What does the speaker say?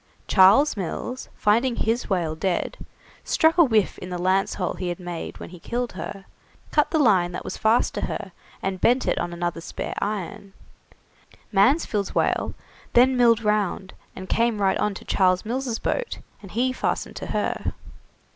Charles Mills, finding his whale dead, struck a whiff in the lance hole he had made when he killed her, cut the line that was fast to her, and bent it on to another spare iron. Mansfield's whale then milled round and came right on to Charles Mills' boat, and he fastened to her.